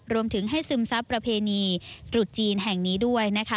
รวมถึงให้ซึมทรัพย์ประเพณีตรุษจีนแห่งนี้ด้วย